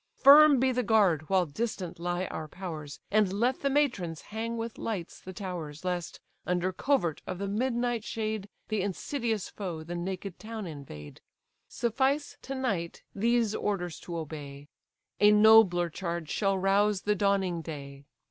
Firm be the guard, while distant lie our powers, And let the matrons hang with lights the towers; Lest, under covert of the midnight shade, The insidious foe the naked town invade. Suffice, to night, these orders to obey; A nobler charge shall rouse the dawning day.